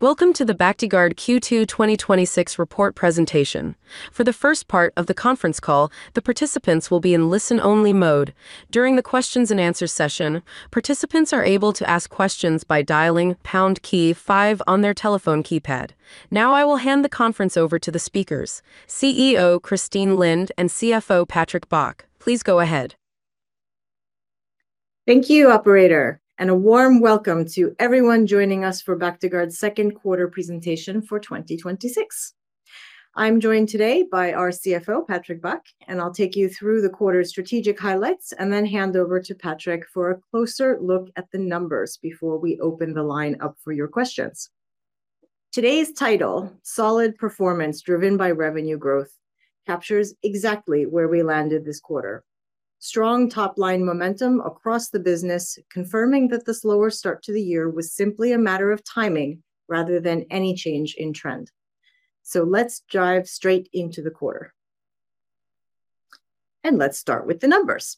Welcome to the Bactiguard Q2 2026 report presentation. For the first part of the conference call, the participants will be in listen-only mode. During the questions and answers session, participants are able to ask questions by dialing pound key five on their telephone keypad. I will hand the conference over to the speakers, CEO Christine Lind and CFO Patrick Bach. Please go ahead. Thank you, operator, and a warm welcome to everyone joining us for Bactiguard's second quarter presentation for 2026. I'm joined today by our CFO, Patrick Bach, I'll take you through the quarter's strategic highlights then hand over to Patrick for a closer look at the numbers before we open the line up for your questions. Today's title, Solid Performance Driven by Revenue Growth, captures exactly where we landed this quarter. Strong top-line momentum across the business, confirming that the slower start to the year was simply a matter of timing rather than any change in trend. Let's dive straight into the quarter. Let's start with the numbers.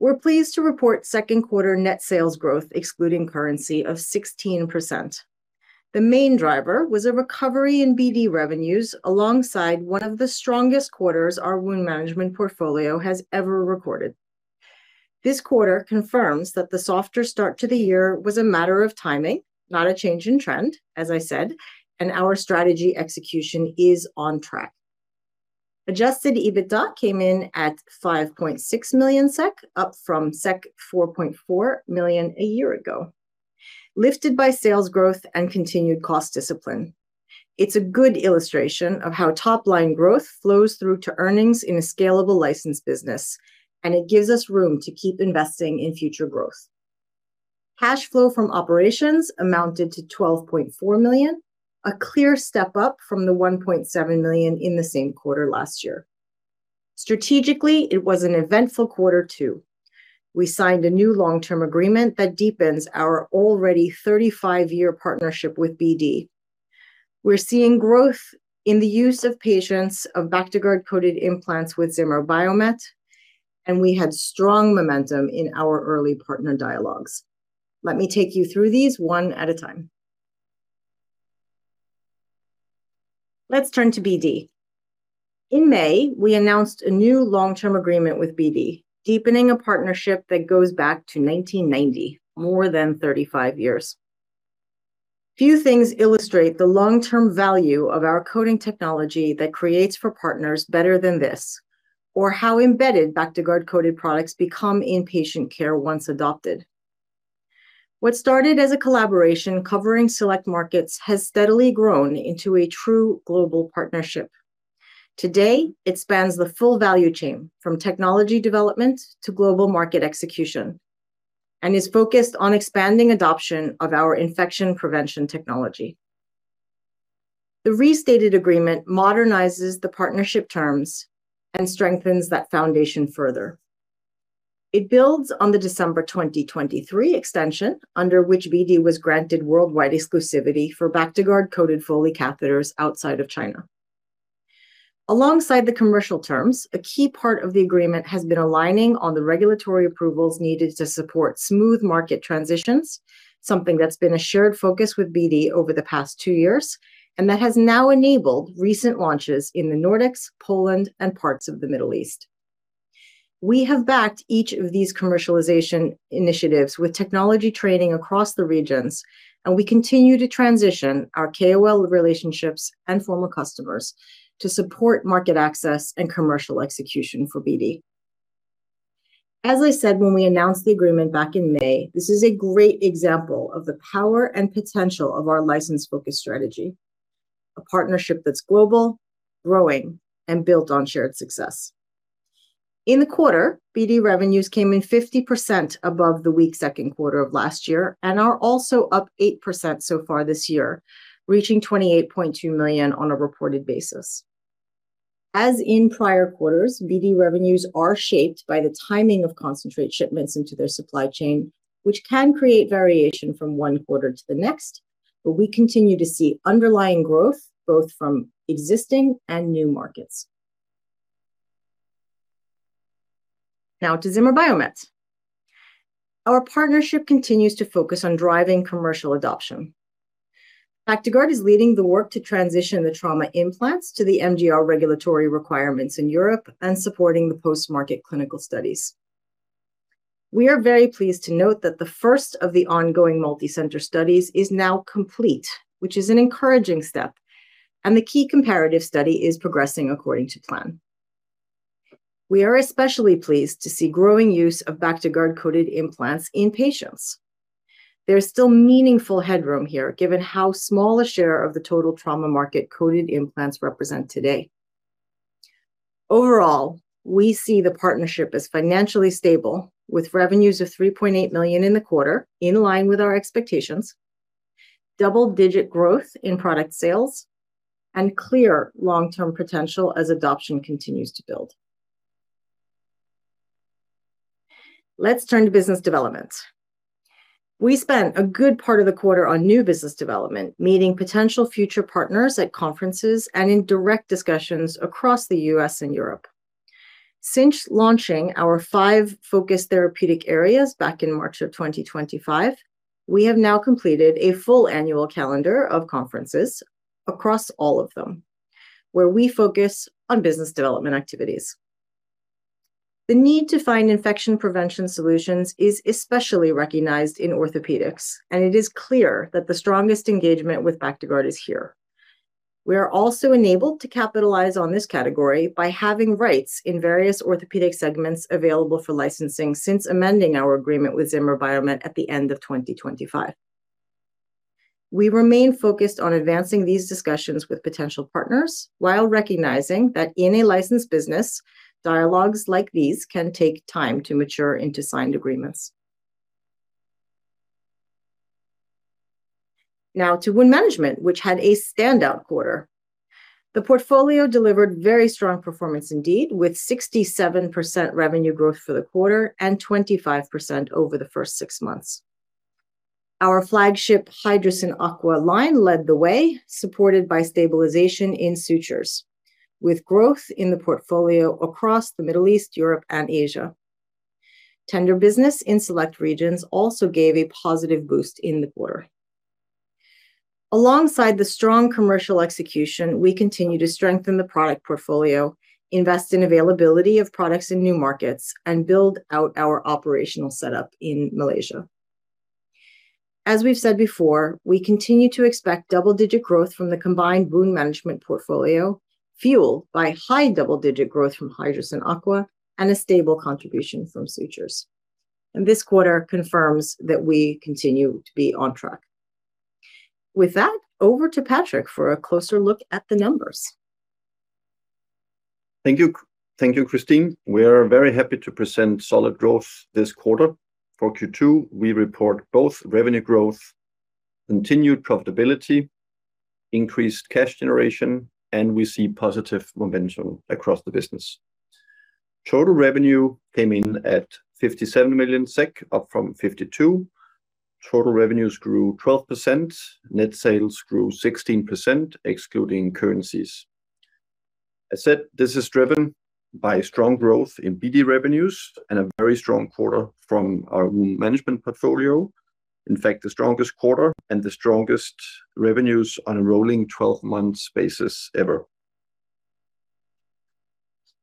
We're pleased to report second quarter net sales growth excluding currency of 16%. The main driver was a recovery in BD revenues alongside one of the strongest quarters our wound management portfolio has ever recorded. This quarter confirms that the softer start to the year was a matter of timing, not a change in trend, as I said, our strategy execution is on track. Adjusted EBITDA came in at 5.6 million SEK, up from 4.4 million a year ago, lifted by sales growth and continued cost discipline. It's a good illustration of how top-line growth flows through to earnings in a scalable license business, it gives us room to keep investing in future growth. Cash flow from operations amounted to 12.4 million, a clear step up from the 1.7 million in the same quarter last year. Strategically, it was an eventful quarter too. We signed a new long-term agreement that deepens our already 35-year partnership with BD. We're seeing growth in the use of patients of Bactiguard-coated implants with Zimmer Biomet, we had strong momentum in our early partner dialogues. Let me take you through these one at a time. Let's turn to BD. In May, we announced a new long-term agreement with BD, deepening a partnership that goes back to 1990, more than 35 years. Few things illustrate the long-term value of our coating technology that creates for partners better than this, or how embedded Bactiguard-coated products become in patient care once adopted. What started as a collaboration covering select markets has steadily grown into a true global partnership. Today, it spans the full value chain, from technology development to global market execution, is focused on expanding adoption of our infection prevention technology. The restated agreement modernizes the partnership terms and strengthens that foundation further. It builds on the December 2023 extension, under which BD was granted worldwide exclusivity for Bactiguard-coated Foley catheters outside of China. Alongside the commercial terms, a key part of the agreement has been aligning on the regulatory approvals needed to support smooth market transitions, something that's been a shared focus with BD over the past two years, that has now enabled recent launches in the Nordics, Poland, and parts of the Middle East. We have backed each of these commercialization initiatives with technology training across the regions. We continue to transition our KOL relationships and former customers to support market access and commercial execution for BD. As I said when we announced the agreement back in May, this is a great example of the power and potential of our license-focused strategy, a partnership that's global, growing, and built on shared success. In the quarter, BD revenues came in 50% above the weak second quarter of last year and are also up 8% so far this year, reaching 28.2 million on a reported basis. As in prior quarters, BD revenues are shaped by the timing of concentrate shipments into their supply chain, which can create variation from one quarter to the next, we continue to see underlying growth, both from existing and new markets. Now to Zimmer Biomet. Our partnership continues to focus on driving commercial adoption. Bactiguard is leading the work to transition the trauma implants to the MDR regulatory requirements in Europe and supporting the post-market clinical studies. We are very pleased to note that the first of the ongoing multi-center studies is now complete, which is an encouraging step, and the key comparative study is progressing according to plan. We are especially pleased to see growing use of Bactiguard-coated implants in patients. There is still meaningful headroom here, given how small a share of the total trauma market coated implants represent today. Overall, we see the partnership as financially stable with revenues of 3.8 million in the quarter, in line with our expectations, double-digit growth in product sales, and clear long-term potential as adoption continues to build. Let's turn to business development. We spent a good part of the quarter on new business development, meeting potential future partners at conferences and in direct discussions across the U.S. and Europe. Since launching our five focused therapeutic areas back in March of 2025, we have now completed a full annual calendar of conferences across all of them, where we focus on business development activities. The need to find infection prevention solutions is especially recognized in orthopedics, it is clear that the strongest engagement with Bactiguard is here. We are also enabled to capitalize on this category by having rights in various orthopedic segments available for licensing since amending our agreement with Zimmer Biomet at the end of 2025. We remain focused on advancing these discussions with potential partners while recognizing that in a licensed business, dialogues like these can take time to mature into signed agreements. Now to wound management, which had a standout quarter. The portfolio delivered very strong performance indeed, with 67% revenue growth for the quarter and 25% over the first six months. Our flagship Hydrocyn aqua line led the way, supported by stabilization in sutures, with growth in the portfolio across the Middle East, Europe, and Asia. Tender business in select regions also gave a positive boost in the quarter. Alongside the strong commercial execution, we continue to strengthen the product portfolio, invest in availability of products in new markets, and build out our operational setup in Malaysia. As we've said before, we continue to expect double-digit growth from the combined wound management portfolio, fueled by high double-digit growth from Hydrocyn aqua and a stable contribution from sutures. This quarter confirms that we continue to be on track. With that, over to Patrick for a closer look at the numbers. Thank you. Thank you, Christine. We are very happy to present solid growth this quarter. For Q2, we report both revenue growth, continued profitability, increased cash generation, and we see positive momentum across the business. Total revenue came in at 57 million SEK, up from 52 million. Total revenues grew 12%. Net sales grew 16%, excluding currencies. I said this is driven by strong growth in BD revenues and a very strong quarter from our wound management portfolio. In fact, the strongest quarter and the strongest revenues on a rolling 12-month basis ever.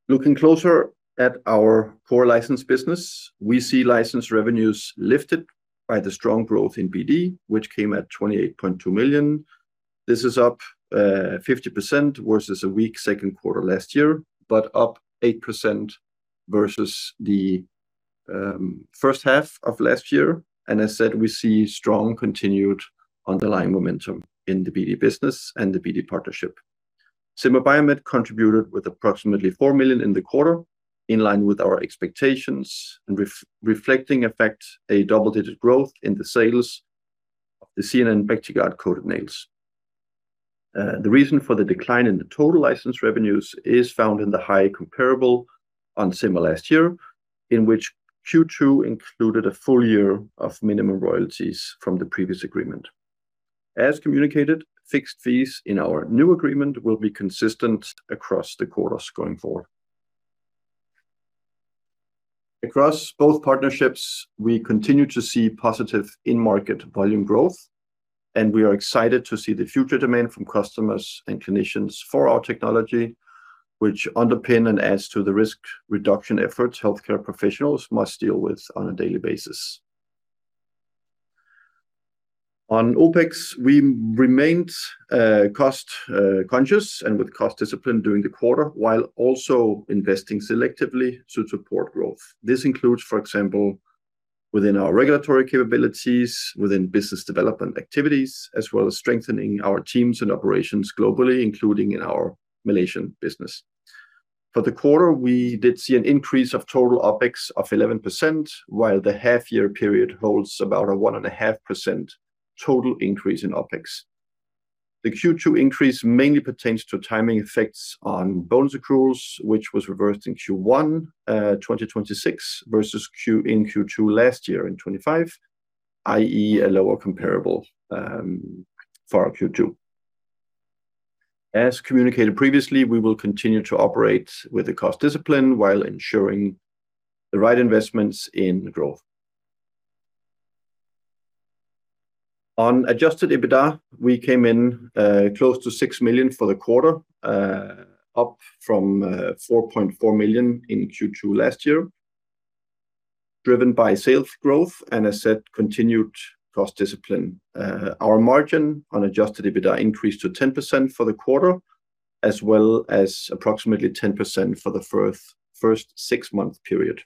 Looking closer at our core license business, we see license revenues lifted by the strong growth in BD, which came at 28.2 million. This is up 50% versus a weak second quarter last year, but up 8% versus the first half of last year. As said, we see strong continued underlying momentum in the BD business and the BD partnership. Zimmer Biomet contributed with approximately 4 million in the quarter, in line with our expectations and reflecting a double-digit growth in the sales of the ZNN Bactiguard-coated nails. The reason for the decline in the total license revenues is found in the high comparable on Zimmer last year, in which Q2 included a full year of minimum royalties from the previous agreement. As communicated, fixed fees in our new agreement will be consistent across the quarters going forward. Across both partnerships, we continue to see positive in-market volume growth, and we are excited to see the future demand from customers and clinicians for our technology, which underpin and adds to the risk reduction efforts healthcare professionals must deal with on a daily basis. On OpEx, we remained cost conscious and with cost discipline during the quarter, while also investing selectively to support growth. This includes, for example, within our regulatory capabilities, within business development activities, as well as strengthening our teams and operations globally, including in our Malaysian business. For the quarter, we did see an increase of total OpEx of 11%, while the half-year period holds about a 1.5% total increase in OpEx. The Q2 increase mainly pertains to timing effects on bonus accruals, which was reversed in Q1 2026 versus in Q2 last year in 2025, i.e. a lower comparable for our Q2. As communicated previously, we will continue to operate with the cost discipline while ensuring the right investments in growth. On adjusted EBITDA, we came in close to 6 million for the quarter, up from 4.4 million in Q2 last year, driven by sales growth and, as said, continued cost discipline. Our margin on adjusted EBITDA increased to 10% for the quarter, as well as approximately 10% for the first six-month period.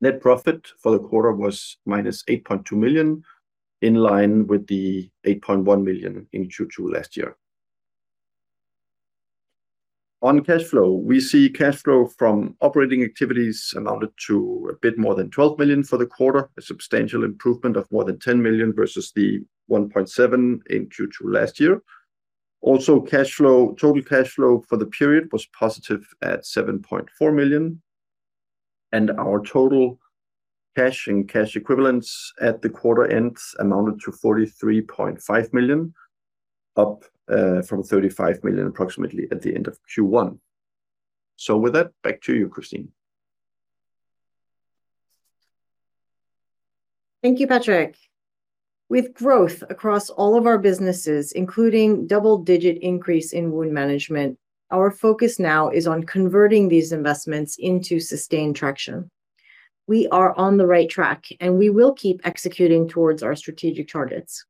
Net profit for the quarter was -8.2 million, in line with the 8.1 million in Q2 last year. On cash flow, we see cash flow from operating activities amounted to a bit more than 12 million for the quarter, a substantial improvement of more than 10 million versus the 1.7 million in Q2 last year. Our total cash flow for the period was positive at 7.4 million. Our total cash and cash equivalents at the quarter end amounted to 43.5 million, up from 35 million approximately at the end of Q1. With that, back to you, Christine. Thank you, Patrick. With growth across all of our businesses, including double-digit increase in wound management, our focus now is on converting these investments into sustained traction. We are on the right track, and we will keep executing towards our strategic targets.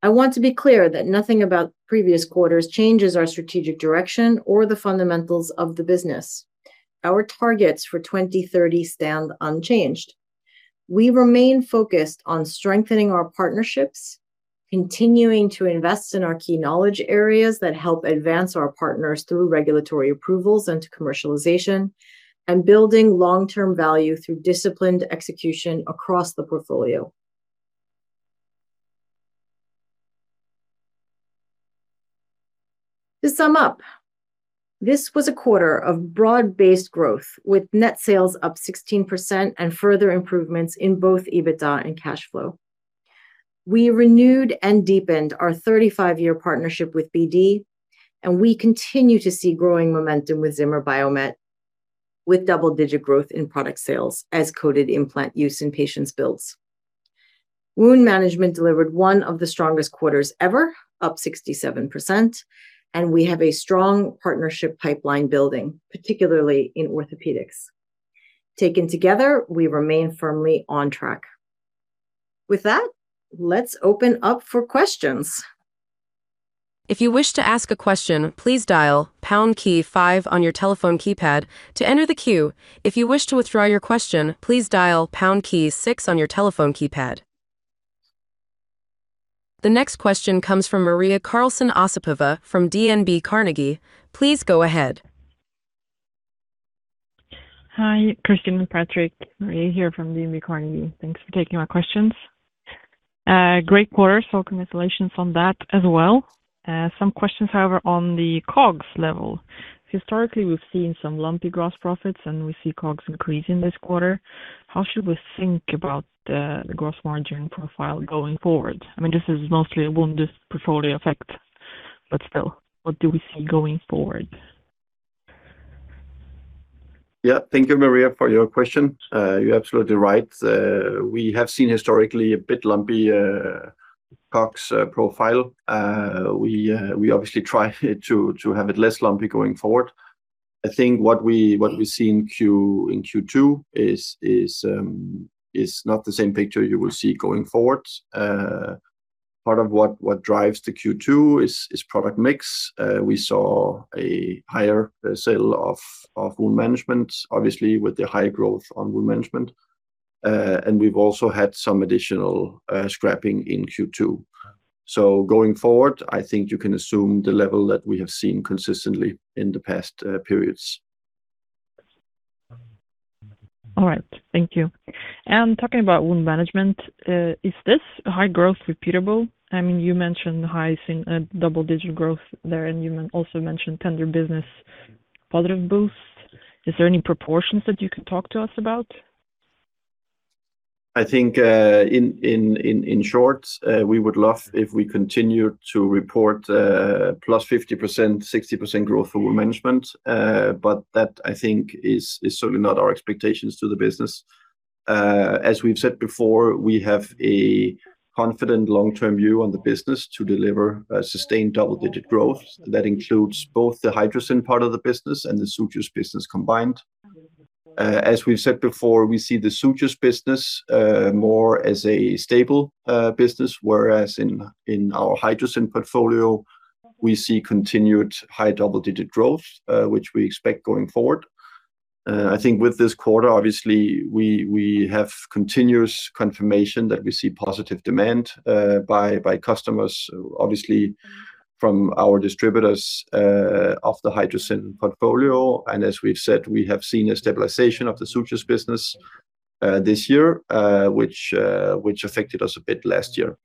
I want to be clear that nothing about previous quarters changes our strategic direction or the fundamentals of the business. Our targets for 2030 stand unchanged. We remain focused on strengthening our partnerships, continuing to invest in our key knowledge areas that help advance our partners through regulatory approvals and to commercialization, and building long-term value through disciplined execution across the portfolio. To sum up, this was a quarter of broad-based growth, with net sales up 16% and further improvements in both EBITDA and cash flow. We renewed and deepened our 35-year partnership with BD. We continue to see growing momentum with Zimmer Biomet with double-digit growth in product sales as coated implant use in patients builds. Wound management delivered one of the strongest quarters ever, up 67%. We have a strong partnership pipeline building, particularly in orthopedics. Taken together, we remain firmly on track. With that, let's open up for questions. If you wish to ask a question, please dial pound key five on your telephone keypad to enter the queue. If you wish to withdraw your question, please dial pound key six on your telephone keypad. The next question comes from Maria Karlsson Osipova from DNB Carnegie. Please go ahead. Hi, Christine and Patrick. Maria here from DNB Carnegie. Thanks for taking my questions. Great quarter. Congratulations on that as well. Some questions, however, on the COGS level. Historically, we've seen some lumpy gross profits. We see COGS increasing this quarter. How should we think about the gross margin profile going forward? This is mostly a wound care portfolio effect. Still, what do we see going forward? Thank you, Maria, for your question. You're absolutely right. We have seen historically a bit lumpy COGS profile. We obviously try to have it less lumpy going forward. I think what we see in Q2 is not the same picture you will see going forward. Part of what drives the Q2 is product mix. We saw a higher sale of wound management, obviously with the high growth on wound management. We've also had some additional scrapping in Q2. Going forward, I think you can assume the level that we have seen consistently in the past periods. All right. Thank you. Talking about wound management, is this high growth repeatable? You mentioned the Hydrocyn double-digit growth there. You also mentioned tender business positive boost. Is there any proportions that you can talk to us about? I think, in short, we would love if we continue to report +50%, 60% growth for wound management. That, I think, is certainly not our expectations to the business. As we've said before, we have a confident long-term view on the business to deliver a sustained double-digit growth that includes both the Hydrocyn part of the business and the sutures business combined. As we've said before, we see the sutures business more as a stable business, whereas in our Hydrocyn portfolio, we see continued high double-digit growth, which we expect going forward. I think with this quarter, obviously, we have continuous confirmation that we see positive demand by customers, obviously from our distributors of the Hydrocyn portfolio. As we've said, we have seen a stabilization of the sutures business this year, which affected us a bit last year.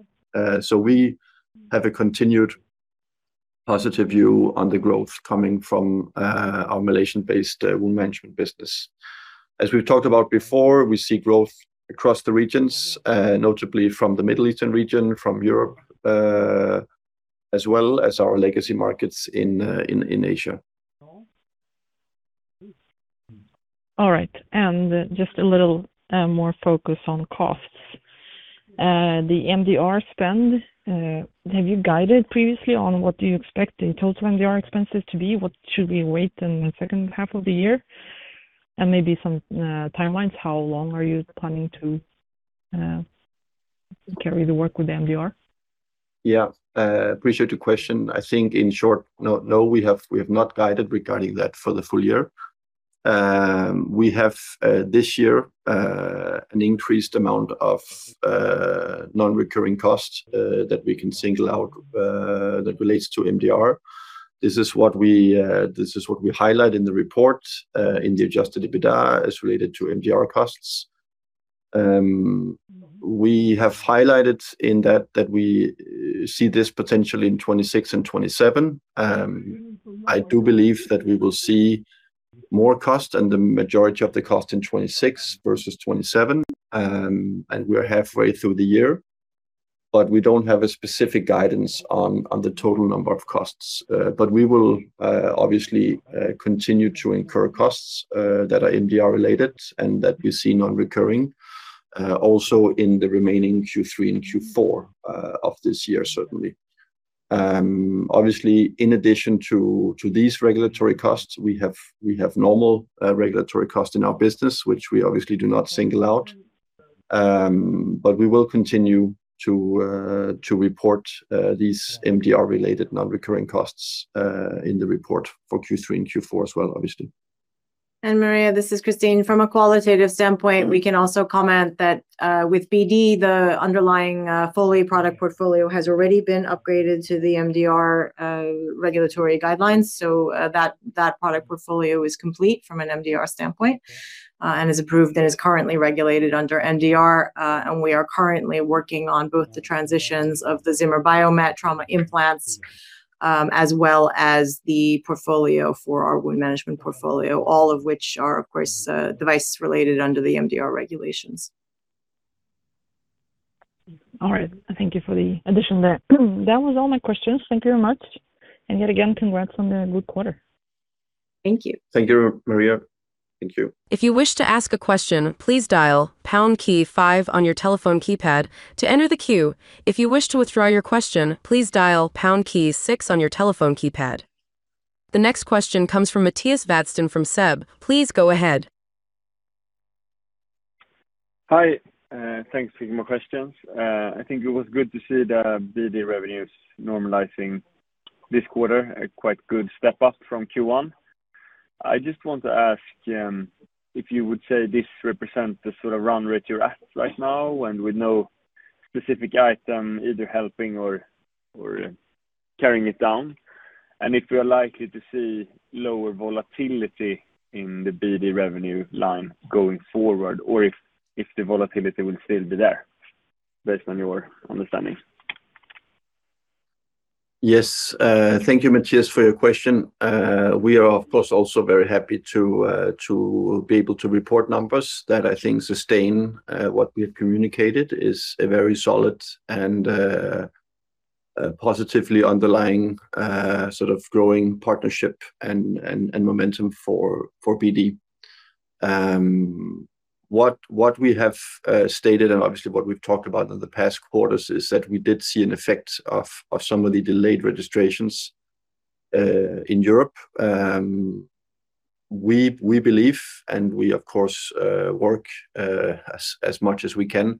We have a continued positive view on the growth coming from our Malaysian-based wound management business. As we've talked about before, we see growth across the regions, notably from the Middle Eastern region, from Europe, as well as our legacy markets in Asia. All right. Just a little more focus on costs. The MDR spend, have you guided previously on what you expect the total MDR expenses to be? What should we await in the second half of the year? Maybe some timelines, how long are you planning to carry the work with MDR? Appreciate the question. I think in short, no, we have not guided regarding that for the full year. We have, this year, an increased amount of non-recurring costs that we can single out that relates to MDR. This is what we highlight in the report in the adjusted EBITDA as related to MDR costs. We have highlighted in that we see this potentially in 2026 and 2027. I do believe that we will see more cost and the majority of the cost in 2026 versus 2027. We're halfway through the year, but we don't have a specific guidance on the total number of costs. We will obviously continue to incur costs that are MDR related and that we see non-recurring, also in the remaining Q3 and Q4 of this year, certainly. Obviously, in addition to these regulatory costs, we have normal regulatory cost in our business, which we obviously do not single out. We will continue to report these MDR related non-recurring costs, in the report for Q3 and Q4 as well, obviously. Maria, this is Christine. From a qualitative standpoint, we can also comment that, with BD, the underlying Foley product portfolio has already been upgraded to the MDR regulatory guidelines. That product portfolio is complete from an MDR standpoint, and is approved and is currently regulated under MDR. We are currently working on both the transitions of the Zimmer Biomet trauma implants, as well as the portfolio for our wound management portfolio, all of which are, of course, device related under the MDR regulations. All right. Thank you for the addition there. That was all my questions. Thank you very much. Yet again, congrats on the good quarter. Thank you. Thank you, Maria. Thank you. If you wish to ask a question, please dial pound key five on your telephone keypad to enter the queue. If you wish to withdraw your question, please dial pound key six on your telephone keypad. The next question comes from Mattias Vadsten from SEB. Please go ahead. Hi. Thanks for taking my questions. I think it was good to see the BD revenues normalizing this quarter, a quite good step up from Q1. I just want to ask if you would say this represents the sort of run rate you're at right now and with no specific item either helping or carrying it down. If we are likely to see lower volatility in the BD revenue line going forward, or if the volatility will still be there based on your understanding. Yes. Thank you, Mattias, for your question. We are of course also very happy to be able to report numbers that I think sustain what we have communicated is a very solid and positively underlying sort of growing partnership and momentum for BD. What we have stated, and obviously what we've talked about in the past quarters, is that we did see an effect of some of the delayed registrations in Europe. We believe and we, of course, work as much as we can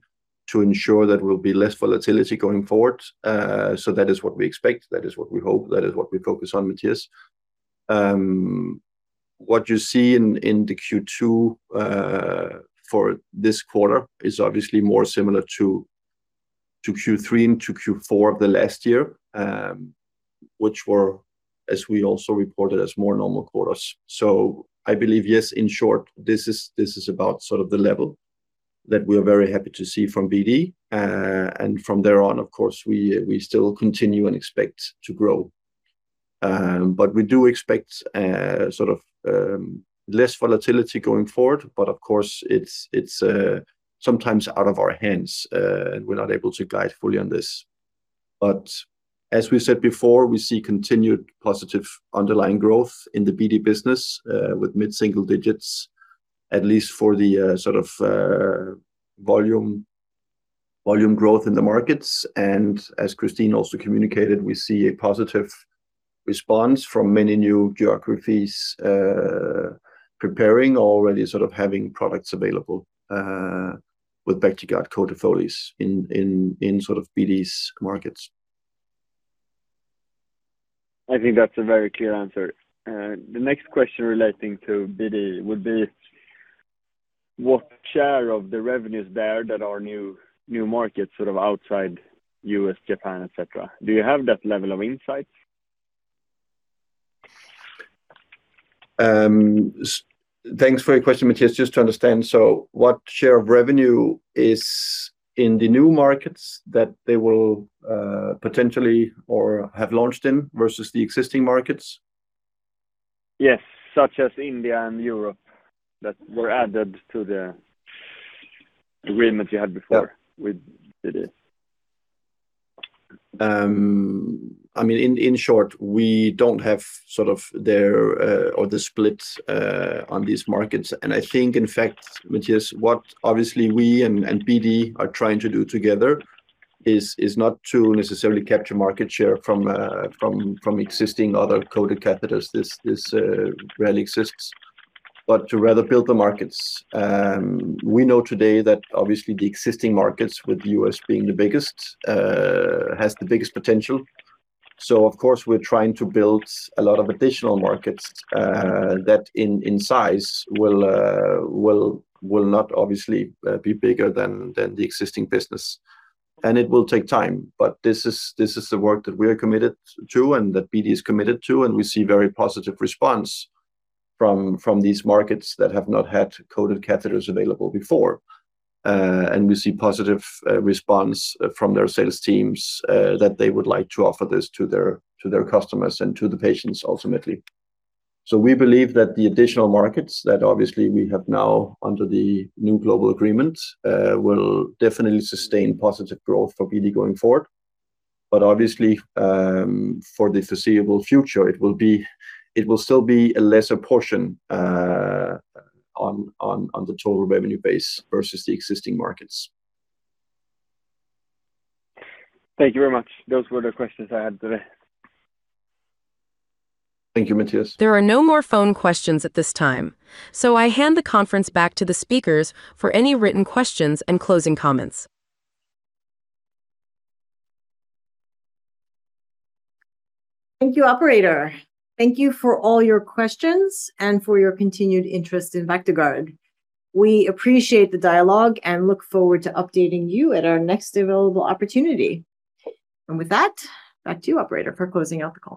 to ensure that there will be less volatility going forward. That is what we expect, that is what we hope, that is what we focus on, Mattias. What you see in the Q2 for this quarter is obviously more similar to Q3 and to Q4 of the last year, which were, as we also reported, as more normal quarters. I believe, yes, in short, this is about sort of the level that we are very happy to see from BD. From there on, of course, we still continue and expect to grow. We do expect sort of less volatility going forward. Of course, it's sometimes out of our hands. We're not able to guide fully on this. As we said before, we see continued positive underlying growth in the BD business, with mid-single digits, at least for the sort of volume growth in the markets. As Christine also communicated, we see a positive response from many new geographies preparing already sort of having products available, with Bactiguard-coated Foleys in sort of BD's markets. I think that's a very clear answer. The next question relating to BD would be what share of the revenues there that are new markets sort of outside U.S., Japan, et cetera? Do you have that level of insight? Thanks for your question, Mattias. Just to understand, what share of revenue is in the new markets that they will potentially or have launched in versus the existing markets? Yes, such as India and Europe that were added to the agreement you had before with BD. In short, we don't have sort of their or the splits on these markets. I think, in fact, Mattias, what obviously we and BD are trying to do together is not to necessarily capture market share from existing other coated catheters. This rarely exists. But to rather build the markets. We know today that obviously the existing markets, with U.S. being the biggest, has the biggest potential. Of course, we're trying to build a lot of additional markets, that in size will not obviously be bigger than the existing business. It will take time, but this is the work that we are committed to and that BD is committed to, and we see very positive response from these markets that have not had coated catheters available before. We see positive response from their sales teams, that they would like to offer this to their customers and to the patients ultimately. We believe that the additional markets that obviously we have now under the new global agreement, will definitely sustain positive growth for BD going forward. Obviously, for the foreseeable future, it will still be a lesser portion on the total revenue base versus the existing markets. Thank you very much. Those were the questions I had today. Thank you, Mattias. There are no more phone questions at this time. I hand the conference back to the speakers for any written questions and closing comments. Thank you, operator. Thank you for all your questions and for your continued interest in Bactiguard. We appreciate the dialogue and look forward to updating you at our next available opportunity. With that, back to you, operator, for closing out the call.